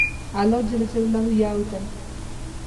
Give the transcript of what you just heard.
الله ج يو دی